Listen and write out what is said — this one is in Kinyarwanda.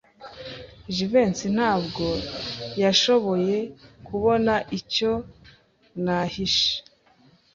Jivency ntabwo yashoboye kubona icyo nahishe.